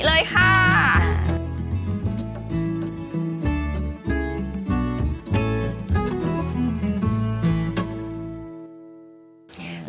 ได้เรียบร้อยแล้วค่ะคุณผู้ชม